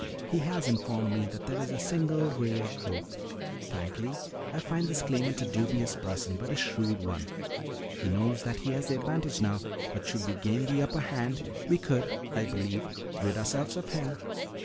He has informed me that there is a single ray of hope. Frankly, I find this claimant a dubious person, but a shrewd one. He knows that he has the advantage now, but should we gain the upper hand, we could, I believe, rid ourselves of him.